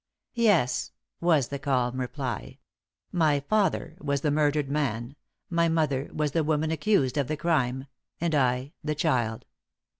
"Yes," was the calm reply. "My father was the murdered man, my mother was the woman accused of the crime, and I the child."